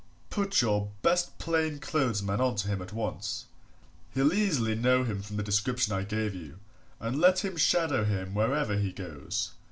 Put your best plainclothes man on to him at once he'll easily know him from the description I gave you and let him shadow him wherever he goes.